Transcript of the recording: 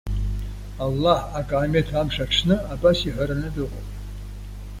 Аллаҳ акаамеҭ амш аҽны абас иҳәараны дыҟоуп.